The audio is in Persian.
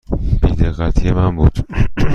بی دقتی من بود.